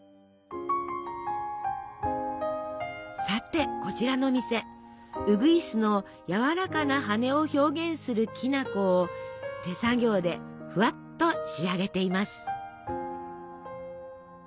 さてこちらの店うぐいすのやわらかな羽を表現するきな粉を手作業でふわっと仕上げています。